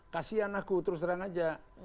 kasian aku terus terang aja